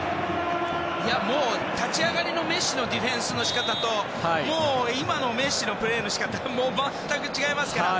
もう立ち上がりのメッシのディフェンスの仕方と今のメッシのプレーの仕方は全く違いますから。